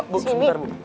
bu sebentar bu